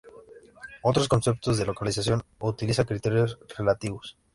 Otros conceptos de localización utilizan criterios relativos.